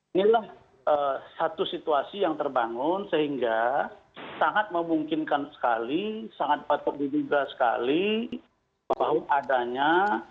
inilah satu situasi yang terbangun sehingga sangat memungkinkan sekali sangat patut diduga sekali bahwa adanya